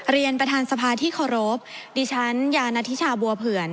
เรียนประธานสภาที่เคารพดิฉันยานัทธิชาบัวเผื่อน